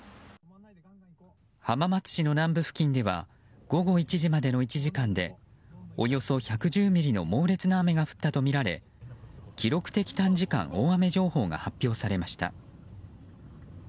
浜松市の南部付近では午後１時までの１時間でおよそ１１０ミリの猛烈な雨が降ったとみられ記録的短時間大雨情報が発表されました。